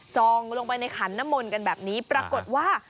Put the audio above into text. ส่องลงไปในขันน้ำมนต์กันแบบนี้ปรากฏว่า